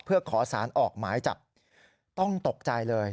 เพื่อขอสารออกหมายจับต้องตกใจเลย